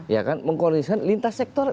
ya kan mengkoordinasikan lintas sektor